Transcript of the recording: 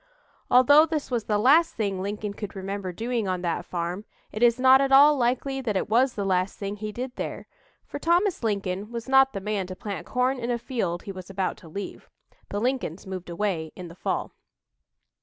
Although this was the last thing Lincoln could remember doing on that farm, it is not at all likely that it was the last thing he did there, for Thomas Lincoln was not the man to plant corn in a field he was about to leave. (The Lincolns moved away in the fall.)